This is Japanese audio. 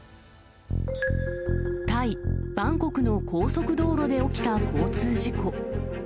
タイ・バンコクの高速道路で起きた交通事故。